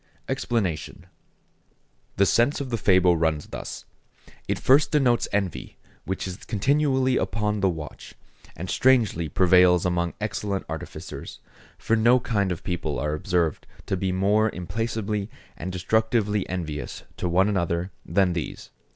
EXPLANATION.—The sense of the fable runs thus. It first denotes envy, which is continually upon the watch, and strangely prevails among excellent artificers; for no kind of people are observed to be more implacably and destructively envious to one another than these.